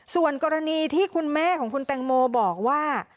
ส่วนกรณีที่คุณแม่ของคุณแตงโมบอกว่า